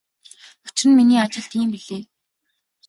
Учир нь миний ажил тийм билээ.